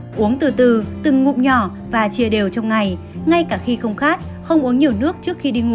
uống từ từ từng ngụm nhỏ và chia đều trong ngày ngay cả khi không khát không uống nhiều nước trước khi đi ngủ